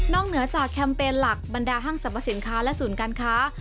เหนือจากแคมเปญหลักบรรดาห้างสรรพสินค้าและศูนย์การค้า